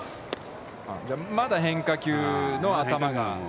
まだ変化球の頭が。